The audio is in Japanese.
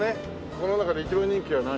この中で一番人気は何？